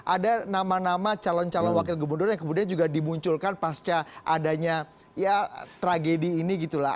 ada nama nama calon calon wakil gubernur yang kemudian juga dimunculkan pasca adanya ya tragedi ini gitu lah